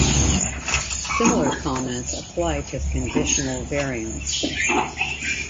Similar comments apply to the conditional variance.